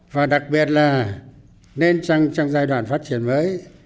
và đặc biệt là nên trong giai đoạn phát triển mới